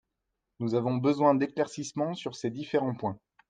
Nous avons besoin d’éclaircissements sur ces différents points.